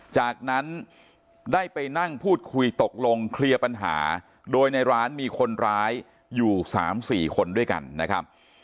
จากนั้นได้ไปนั่งพูดคุยตกลงเคลียร์ปัญหาโดยในร้านมีคนร้ายอยู่๓๔คนด้วยกันนะครับ